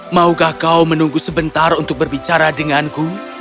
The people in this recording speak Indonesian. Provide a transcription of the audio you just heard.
maukah kau menunggu sebentar untuk berbicara denganku